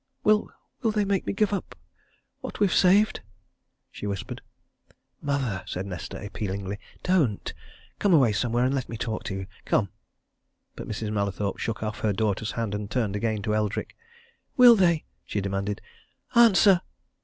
"Will will they make me give up what we've saved?" she whispered. "Mother!" said Nesta appealingly. "Don't! Come away somewhere and let me talk to you come!" But Mrs. Mallathorpe shook off her daughter's hand and turned again to Eldrick. "Will they?" she demanded. "Answer!"